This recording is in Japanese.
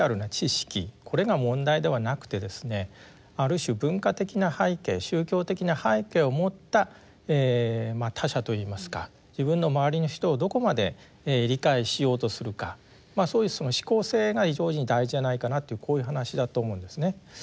これが問題ではなくてですねある種文化的な背景宗教的な背景を持った他者といいますか自分の周りの人をどこまで理解しようとするかそういう思考性が非常に大事じゃないかなってこういう話だと思うんですね。